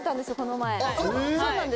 そうなん？